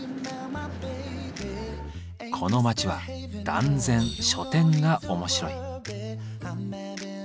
この街は断然書店が面白い。